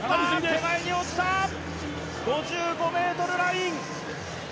手前に落ちた、５５ｍライン。